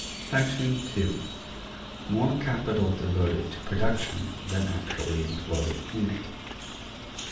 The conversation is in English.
§ 2. More Capital Devoted to Production than Actually Employed in it.